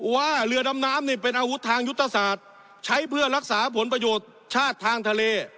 ว่าเรือดำน้ำนี่เป็นอาวุธทางยุทธศาสตร์ใช้เพื่อรักษาผลประโยชน์ชาติทางทะเล